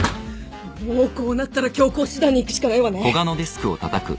もうこうなったら強硬手段にいくしかないわね。